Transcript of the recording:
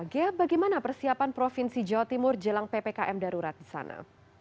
ghea bagaimana persiapan provinsi jawa timur jelang ppkm darurat di sana